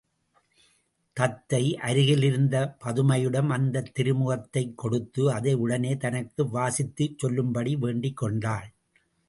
தத்தை அருகிலிருந்த பதுமையிடம் அந்தத் திருமுகத்தைக் கொடுத்து அதை உடனே தனக்கு வாசித்துச் சொல்லும்படி வேண்டிக் கொண்டாள்.